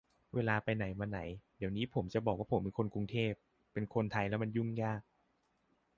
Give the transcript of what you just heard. เวลาไปไหนมาไหน เดี๋ยวนี้ผมจะบอกว่าผมเป็นคนกรุงเทพ เป็นคนไทยแล้วมันยุ่งยาก